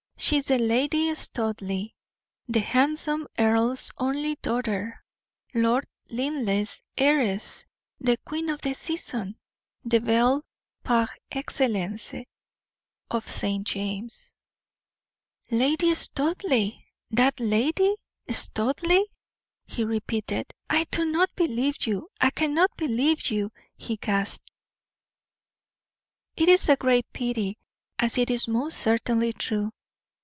She is the Lady Studleigh, the handsome earl's only daughter, Lord Linleigh's heiress, the queen of the season, the belle, par excellence, of St. James'." "Lady Studleigh! that Lady Studleigh!" he repeated. "I do not believe you I cannot believe you!" he gasped. "It is a great pity, as it is most certainly true.